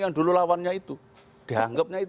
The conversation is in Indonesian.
yang dulu lawannya itu